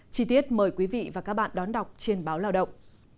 chí tiết mời quý vị và các bạn đón đọc trên báo lao động